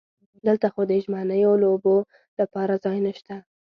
دلته خو د ژمنیو لوبو لپاره ځای نشته.